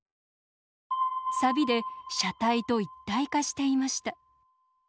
サビで車体と一体化していました。